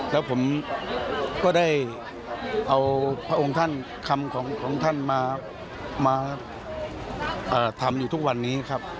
แล้วผมก็ได้เอาพระองค์ท่านคำของท่านมาทำอยู่ทุกวันนี้ครับ